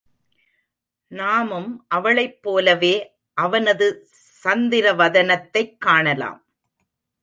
நாமும் அவளைப் போலவே அவனது சந்திரவதனத்தைக் காணலாம்.